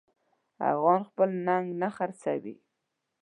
افغان خپل ننګ نه خرڅوي.